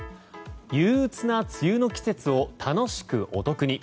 憂鬱な梅雨の季節を楽しくお得に。